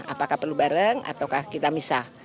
apakah perlu bareng atau kita misah